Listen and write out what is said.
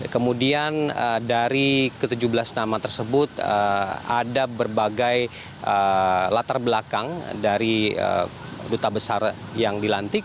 kemudian dari ke tujuh belas nama tersebut ada berbagai latar belakang dari duta besar yang dilantik